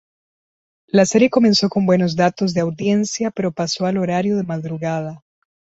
La serie comenzó con buenos datos de audiencia pero pasó al horario de madrugada.